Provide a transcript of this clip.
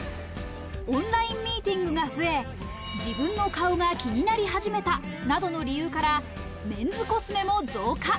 オンラインミーティングが増え、自分の顔が気になり始めたなどの理由からメンズコスメが増加。